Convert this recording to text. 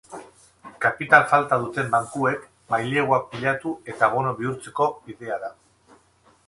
Kapital falta duten bankuek maileguak pilatu eta bono bihurtzeko bidea da.